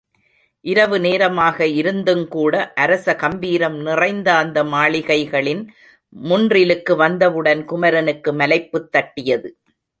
இரவு நேரமாக இருந்துங்கூட அரச கம்பீரம் நிறைந்த அந்த மாளிகைகளின் முன்றிலுக்கு வந்தவுடன் குமரனுக்கு மலைப்புத் தட்டியது.